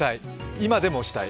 今でも押したい。